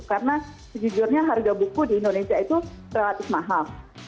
karena sejujurnya harga buku di indonesia itu relatif mahal